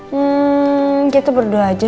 hmm kita berdua aja